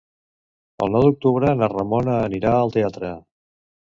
El nou d'octubre na Ramona anirà al teatre.